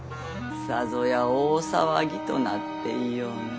さぞや大騒ぎとなっていようのう。